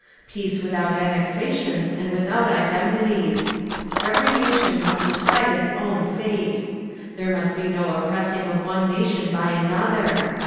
Peace without annexations and without indemnities. Every nation must decide its own fate. There must be no oppressing of one nation by another.